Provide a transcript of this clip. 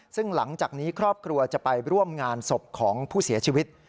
ซึ่งหลังจากนี้ครอบครัวจะไปร่วมงานศพของผู้เสียชีวิต